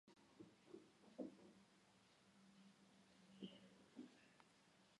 სასიკვდილო განაჩენის გამოტანის შემდეგ, ციხეში ყოფნისას, მასთან მიდის მღვდელი, რომელიც ღმერთის რწმენაზე ესაუბრება.